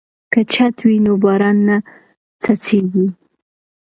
که چت وي نو باران نه څڅیږي.